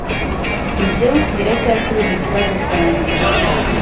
Ibyo biracyasubiza ikibazo cyanjye.